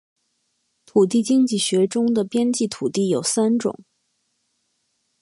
土地经济学中的边际土地有三种